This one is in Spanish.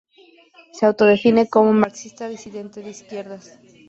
Se autodefine como "marxista disidente de izquierdas".